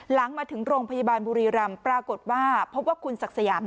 หลังมาถึงโรงพยาบาลบุรีรำปรากฏว่าพบว่าคุณศักดิ์สยาม